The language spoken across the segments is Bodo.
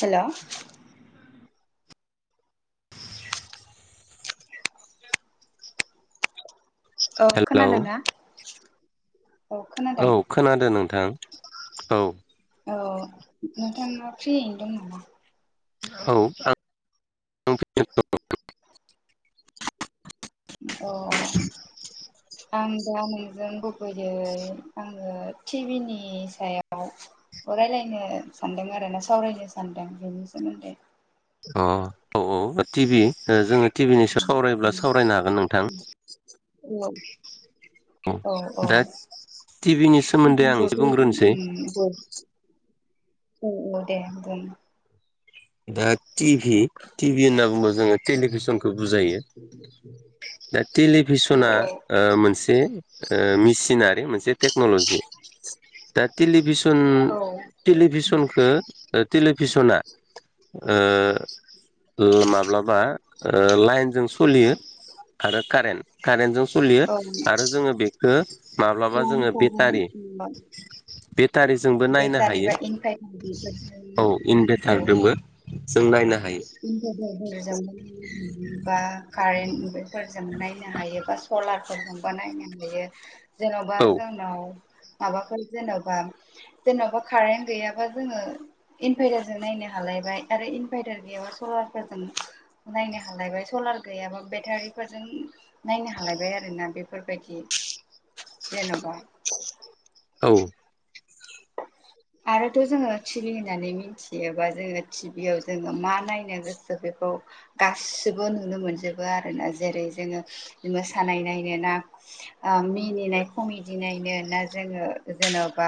हेलौ [inaudible] औ हेलौ खोनादोंना? औ खोनादों। औ खोनादों नोंथां औ। औ नोंथाङा फ्रियैनो दं नामा? औ आं फ्रि आव दं। अ आं दा नोंजों गुबुबैयै आङो टिभि नि सायाव रायलायनो सानदों आरो ना सावरायनो सान्दों बेनि सोमोन्दै अ औ औ टिभि जोङो टिभिनि सो सावरायोब्ला सावरायनो हागोन नोंथां। औ दे टिभिनि सोमोन्दै आं एसे बुंग्रोनोसै उम औ औ दे बुं दा टिभि टिभि होनना बुङोबा जोङो टेलिभिसनखौ बुजायो। दा औ टेलिभिसना औ ओ मोनसे ओ मेसिनारि मोनसे टेक्न'ल'जि दा टेलिभिसन औ टेलिभिसनखौ टेलिभिसना ओ ओ माब्लाबा लाइनजों सलियो आरो कारेन्ट कारेन्टजों सोलियो औ आरो जोङो बेखौ माब्लाबा लाइन जोङो बेटारि कारेन्ट बेटारिजोंबो नायनो बेटारि हायो बा इनभाइटार औ बेफोरजों इनभेरटारजोंबो। जों नायना इनभारटारफोरजोंनो बा कारेन्ट फोरजों जों नायनो हायो बा सलारफोरजोंबो नायनो हायो जेन'बा औ जोंनाव माबाफोर जेन'बा जेनेबा कारेन्ट गैयाबा जोङो इनभारटारजों नायनो हालााय बाय आरो इनभारटार गैयाबा सलार फोरजों नायनो हालायबाय सलार गैयाबा बेटारिफोरजों नायनो हालाय हालायबाय आरोना बेफोरबायदि जेन'बा औ आरोथ' जोङो टि भि होननानै मिथियोबा जोङो टि भियाव जोङो मा नायनो गोसो बे खौ गासिबो नुनो मोनजोबो आरोना जेरै जोङो मोसानाय नायनो ना ओ मिनिनाय कमेडनायनो ना जोङो जेन'बा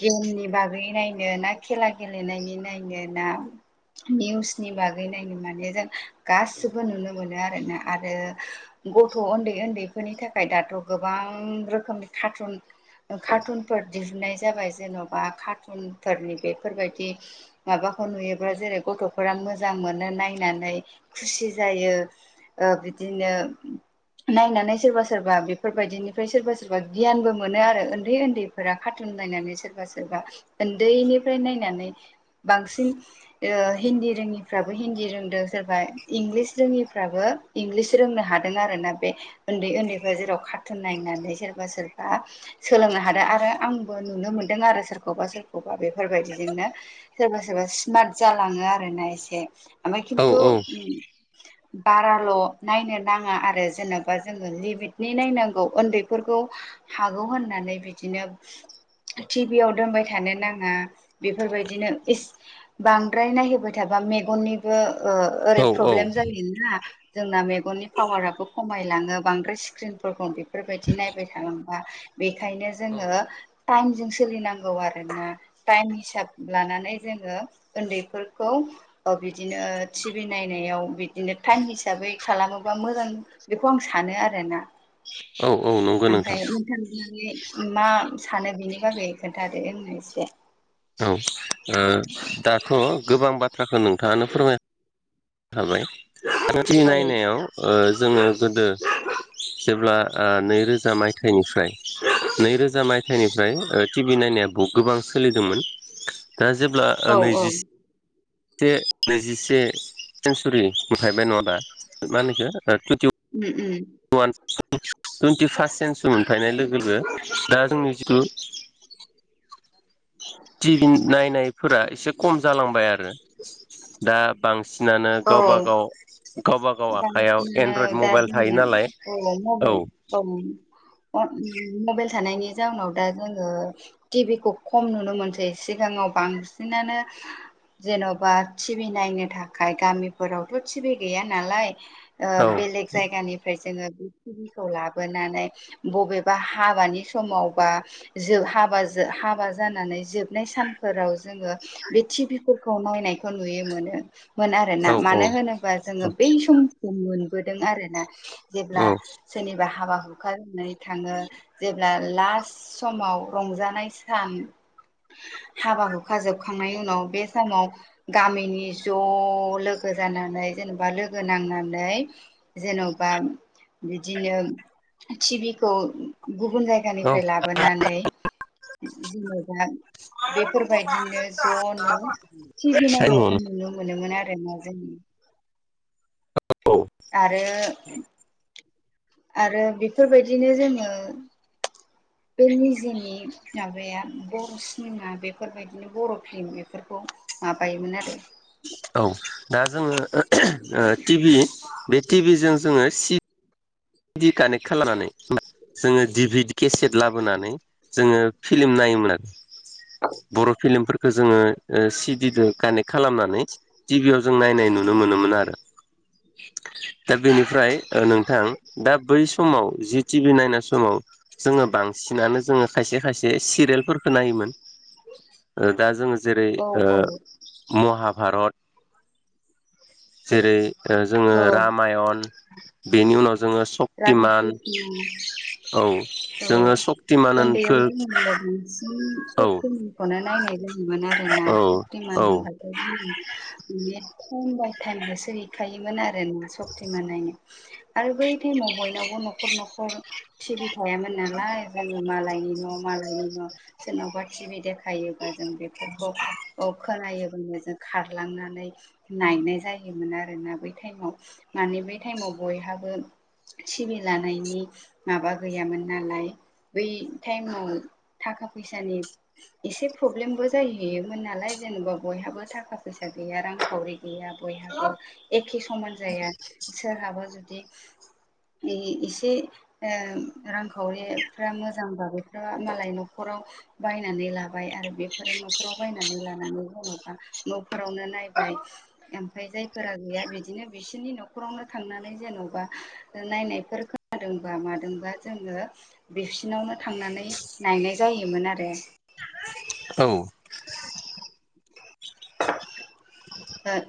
गेमनि माब्रै नायनो ना खेला गेलेनायनि नायनो ना निउसनि बागै नायनो माने जों गाससिबो नुनो मोनो आरोना आरो गथ' उन्दै उन्दैफोरनि थाखाय दाथ' गोबां रोखोमनि कार्टुन कार्टुनफोर दिहुननाय जाबाय जेन'ब बा कार्टुनफोरनि बेफोरबायाददि माबाखौ नुयोब्लाा जेरै गथ'फोरा मोजां मोनो नायनानै खुसि जायो ओ बिदिनो नायनानै सोरबा सोरबा बेफोरबायदिनिफ्राय सोरबा सोरबा गियानबो मोनो आरो उन्दै उन्दैफोरा खार्टुन नायनानै सोरबा बा उन्दैनिफ्राय नायनानै बांसिन ओ हिन्दी रोङिफ्राबो हि रोंदों सोरबा इंलिस रोङिफ्राबो इंलिस रोंनो हादों आरो ना बे उन्दै उन्दै बा जेराव कारटुन नायनानै सोरबा सोरबा सोलोंनो हादों आरो आंबो नुनो मोनदों आरो सोरखौबा सोरखौबा बेफोरबायदिजोंनो सोरबा सोरबा स्मार्ट जालाङो आर ना एसे। आमफाय औ खिन्थु बाराल' नायनो नाङा आरो जेनेबा जोङो लिमिटनि नायनांगौ उन्दैफोरखौ खौ हागौ होननानै बिदिनो टि याव दोनबाय थानो नाङा बेफोरबायदिनो बांद्राय नायहोबाय थाबा मेगननि बो ओ औ ओरै प्रब्लेम जायोना जोंना मेगननि पावाराबो खमायलाङो बांद्राय स्क्रिनफोरखौ बेफोरबायदि नायबाय थालांबा बेखायनो औ जोङो टाइमजों सो सोलिनांगौ आरोना टाइम हिसाब लानानै जोङो उन्दैफोरखौ बिदिनो टि भि नायनायाव बिदिनो टाइम हिसाबै खालामोबा मोजां बेखौ आं सानो आरोना। औ औ नंगौ नोंथां ओमफ्राय नोंथाङा मा सानो बेनि बागै? खोन्थादो आंनो एसे। औ ओ दाथ' गोबां बाथ्राखौ नोंथाङानो फोरमाय खाबाय। औ नायनायाव जोङो गोदो जेब्ला नैरोजा मायथाइनिफ्राय नैरोजा मायथाइनिफ्राय टि भि नाइ बहुत गोबां सोलिदोंमोन [inaudible] दा जेब्ला औ औ नैजि उम से नैजिसे सेन्सुरि मोनफायबाय नङा दा मा होनखो उम [unintelligible] टुइन्टि फार्स्ट सेन्सुरि मोनफैनाय लोगो लोगो दा जोंनि जिथु [inaudible] टिभि नायनायफोरा एसे खम जालांबाय आरो दा बां सिनानो औ गावबा गाव गावबागाव आखाइयाव एन्ड्रइड बांसिनानो दा मबाइल जोंनि थायोनालाय औ। मबाइल थानायनि जाउनाव दा जोङो टि भि खौ खम नुनो मोनोसै सिगाङाव बांसिनानो जेन'बा टि भि नायनो था खाय गामिफोरावथ' टि भि गैयानालाय ओ औ बेलेग जायगानिफ्राय जोङो बे टि भि खौ लाबोनानै बबेबा हाबानि समाव बा जों हाबा हाबा जानानै जोबनाय सानफोराव जोङो बे टि भि फोरखौ नायनायखौ नुनो मोनो मोन आरोना औ मानो औ होनोबा जोङो बै समखौ मोनबोदों आरोना। जेब्ला औ सोरनिबा हाबा हुखा जाना थाङो जे ब्ला लास्ट समाव रंजानाय सान हाबा हुखा जोबखांनायनि उनाव बे समाव गामिनि ज' लोगो जानानै जेनेबा लोगो नांनानै जेन'बा बिदिनो टि भि खौ गुबुन औ जायगानिफ्राय लाबोनानै जेनेबा बेफोरबायदिनो ज'नो टि भि थायो नायनायखौ न'आवनो नुनो मोनोमोन आरोना जों। औ आरो आरो बेफोरबायदिनो जोङो [inaudible] बे निजिनि माबाया बर' सिनेमा बेफोरबायदिनो बर' फिल्म बेफोरखौ माबायोमोन आरो। औ दा जोङो टि भि बे टि भि जों जोङो सि दि कानेक्ट खालामनानै जोङो दि भि डि केसेट लाबोनानै जोङो फिल्म नायोमोन आरो बर' फिल्मफोरखौ जोङो ओ सि डि जों कानेक्ट खालामनानै टि भि याव जों नायनाय नु नुनो मोनोमोन आरो दा बेनिफ्राय नोंथां दा बै समाव जि टि भि नायनाय समाव जोङो बांसिनानो जोङो खायसे खायसे सि रियेलफोरखौ नायोमोन दा जोङो जेरै औ ओ औ महाभारत जेरै जोङो औ रामायण बेनि उनाव जोङो राधा सक्तिमान औ औ जोङो उन्दैयाव सक्तिमानखो जोङो बांसिन औ सक्तिमानखौनो नायनाय दङमोन आरो ना औ सक्तिमान औ होनबाथाय जोङो माने टाइम बाय टाइम होसो हैखायोमोन आरो ना सक्ति मानायनो आरो बै बयनावबो न'खर न'खर टिभि थायामोन नालाय जोङो मालायनि न' मालायनि न' सोरनावबा टि भि दे खायोबा जों बेफोरखौ खोनायो खारलांनानै नायनाय जायोमोन आरोना बै टाइमाव मानि बै टाइमाव बयहाबो सिबिलानायनि माबा गैयामोन नालाय बै टाइमाव थाखा फैसानि एसे प्रब्लेमबो जाहैयोमोन नालाय जेनेबा बयहाबो थाखा फैसा गोया रांखावरि गैया बयहाबो एखे समान जाया सोरहाबा जुदि एसे रांखावरिफ्रा मोजांबा मालाय न'खराव बायनानै लाबाय आरो बेफोरो न'खराव बायनानै लानानै जेन'बा न'फोरावनो नाय फैबाय ओमफ्राय जायफोरा गैया बिदिनो बिसोरनि न'खरावनो थांनानै जेन'बा नायनायफोर खोनादोंबा मादोंबा जोङो बिसिनावनो थांनानै नायनाय जायो। जोमोन आरो। औ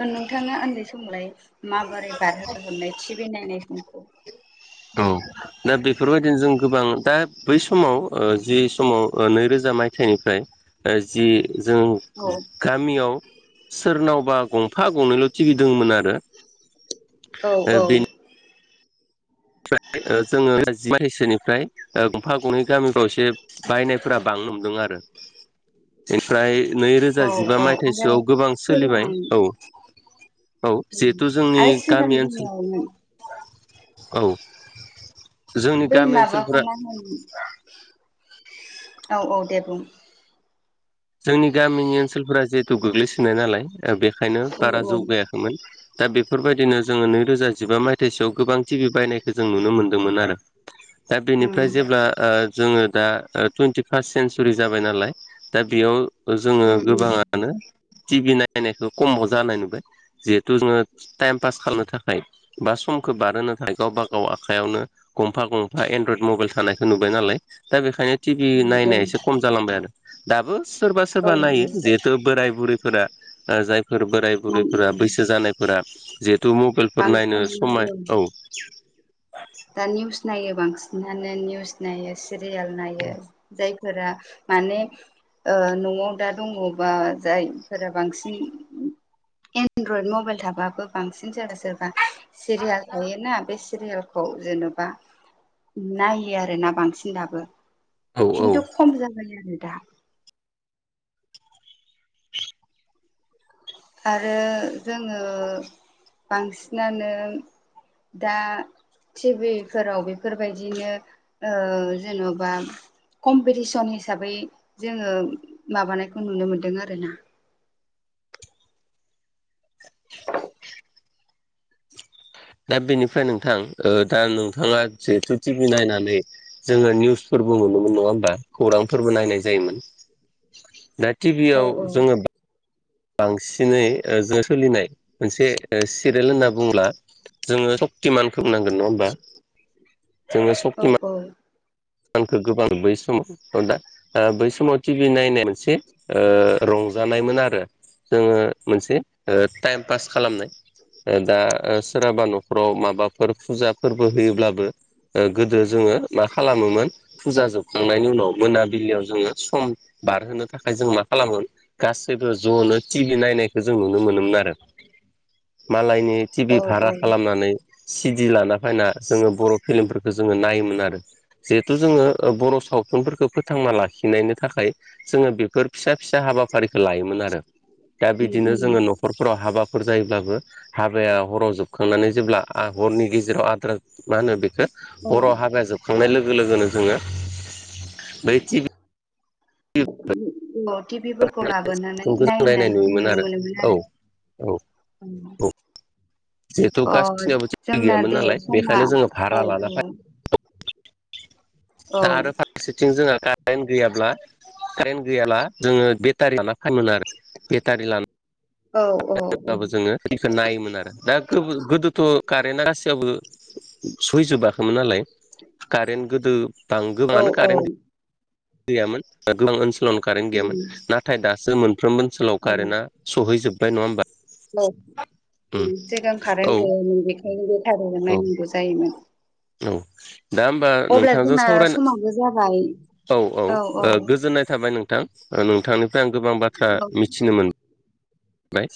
नोंथाङा उन्दै समलाय माबोरै बारहोहरनाय टिभि नायनाय समखौ? [unintelligible] औ दा बेफोरबायदिनो जों गोबां दा बै समाव जि समाव नैरोजा मायथाइनिफ्राय जि जों औ गामियाव सोरनाव गंफा गंनैल' थि भि दंमोन आरो। औ ओ औ बेनि जोङो [unintelligible] निफ्राय गंफा गंनै गामिफोराव एसे बायनायफोरा हमदों आरो। फ्राय औ नैरोजा जिबा औ आरो मायथाइसोआव गोबां सोलिबाय सिगां औ। औ जिहेथु जोंनि आरो सिगां गामि ओनसोल बुङोमोन औ औ बै माबाखौ ओनसोलफोरा मा होनो औ औ दे बुं जोंनि गामिनि ओनसोलफोरा जिहेथु गोग्लैसोनाय नालाय बेखायनो औ बारा औ जौगायाखैमोन। दा बेफोरबायदिनो जोङो नैरोजा जिबा मायथाइ सोआव गोबां टिभि बायनायखौ जों नुनो मोन्दोंमोन आरो। दा बेनिफ्राय उम जेब्ला जोङो दा टुइन्टि फार्स्ट सेेनसुरि जाबाय नालाय। दा बेयाव जोङो उम उम गोबाङानो। टिभि नायनायखौ खमाव जानाय नुबाय जिहेथु जोङो टाइम पास खालामनो थाखाय बा समखौ बारोनो थाखायायो गावबा गाव आखायावयावनो गंफा गंफा एनड्रइद मबाइल थानाय। नुबाय नालाय दा बेखायनो टिभि नायनाया उम एसे खम जालांबाय आरो दाबो सोरबा औ सोरबा नायो जिहेथु बोराय बुरैफोरा जाय। फोर बोराय औ बुरैफोरा औ बैसो जानायफोरा जिहेथु मबाइलफोर नायनो समाय औ दा निउस नायो बांसिनानो निउस नायो सिरियाल नायो जाय माने न'आव दा दङबा जायफोरा बांसिन। एनड्रयड मबाइल थाबाबो बांसिन सोरबा सोरबा सिरियाल थायोना बे सिरियाल खौ जेनेबा नायो आर ना बांसिन दाबो। औ औ खिन्थु खम जाबाय आरो दा। आरो जोङो बांसिनानो। दा टिभिफोराव बेफोरबायदिनो जेन'बा कम्पिटिसन हिसाबै जोङो माबानायखौ नुनो मोन्दों आर ना। दा बेनिफ्राय नोंथां दा नोंथाङा जिहेथु टि भि नायनानै जोङो निउसफोर बो मोनोन नङा हबा खौरांफोरबो नाय जायोमोन। औ टिभियाव औ जोङो बांसिन दिनै जोङो सोलिनाय मोनसे सिरियाेल होनना बुंङोब्ला जोङो सक्तिमान बुंनांगोन नङा होमबा जोङो औ सक्तिमान। औ खौ गोबां बै समाव दा बै समाव टिभि नायनाय मोनसे रं रंजानायमोन आरो जोङो मोनसे टाइम पास खालामनाय। दा सोरहाबा न'खराव माबाफोर फुजा फोरबो होयोब्लाबो गोदो जोङो मा खालामो। फुजा जोबखांनायनि उनाव मोनाबिलियाव जोङो सम बारहोनो थाखाय जों मा खालामो? गासैबो ज'नो टिभि नायनायखौ जों नुनो मोनोमोन आरो। मालायनि टिभि औ औ भारा खालामनानै सिडि लाना फैना जोङो बर' फिललिमफोरखौ जोङो नायोमोन आरो जिहेथु जोङो बर' सावथुनफोरखौ फोथांना लाखिनायनि थाखाय जोङो बेफोर फिसा फिसा हाबाफारि लायोमोन आरो दा उम बिदिनो उम जोङो न'खरफोराव हाबा जायोब्लाबो हाबाया हराव जोबखांनानै जेब्ला हरनि गेजेराव आद्रा मा होनो बे औ बर' हाबाया जोबखांनाय लोगो लोगोनो जोङो बै टि भि अ टिभिफोरखौ लाबोनानै खौ जों नायनाय नायनायखौ नुयोमोन नुनो आरो मोनोमोन औ आरो औ औ जिहेथु औ अ गासिनियावबो टिभि जोंना गैयामोन दे नालाय समा बेखायनो जोङो भारा औ लाना औ फै औ दा आरो फारसेथिं जोंहा कारेन्ट गैयाब्ला कारेन्ट गैयाब्ला जोङो बेटारि लाना फैयोमोन आरो बेथारि लाना औ [unintelligible] ब्लाबो जोङोखौ नायोमोन आरो दा गोदोथ' कारेन्टआ गासैयावबो सहैजोबाखैमोन नालाय कारेन्ट गोदो औ गोबाङानो औ कारेन्ट गैयामोन गोबां ओनसोलावनो कारेन्ट गैयामोन उम, नाथाय दा सो मोनफ्रोमबो ओनसोलाव औ कारेन्टआ सौहैजोबबाय नङा होनोमबा औ सिगां औ कारेन्ट गैयामोन बेखायनो बेटारिजों औ नायनांगौ जायोमोन औ दा होमबा अब्ला नोंथांजों जोंना सावरायना समाबो जाबाय औ औ गोजोननाय थाबाय नोंथां नोंथां नोंथांनिफ्राय आं गोबां बाथ्रा औ मिथिनो मोनाय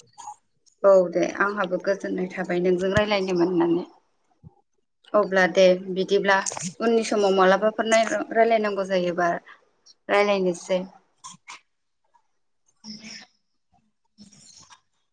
औ दे आंहाबो गोजोननाय जोननाय थाबाय नोंजों रायलायनो मोननानै अब्ला दे बिदिब्ला बिदिब्ला उननि समाव मालाबाफोर रायलायनांगौ जायोबा रायलायनोसै [unintelligible]